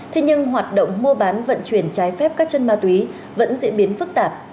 thế nhưng hoạt động mua bán vận chuyển trái phép các chân ma túy vẫn diễn biến phức tạp